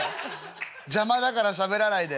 邪魔だからしゃべらないで」。